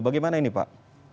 bagaimana ini pak